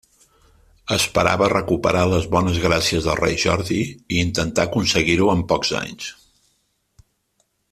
Esperava recuperar les bones gràcies del rei Jordi, i intentà aconseguir-ho en pocs anys.